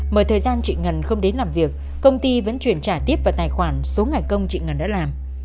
mời thời gian chị ngân không đến làm việc công ty vẫn chuyển trả tiếp vào tài khoản số ngày công chị ngân đã làm